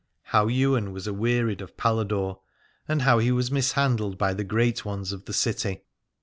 HOW YWAIN WAS AWEARIED OF PALADORE, AND HOW HE WAS MISHANDLED BY THE GREAT ONES OF THE CITY.